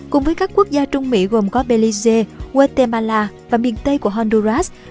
cùng với các quốc gia trung mỹ gồm có belize guatemala và miền tây của honduras